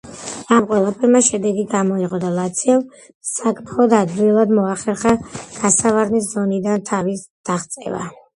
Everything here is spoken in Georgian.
ამ ყველაფერმა შედეგი გამოიღო და ლაციომ საკმაოდ ადვილად მოახერხა გასავარდნი ზონიდან თავის დაღწევა.